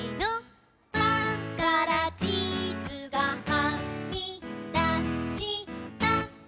「パンからチーズがはみだした」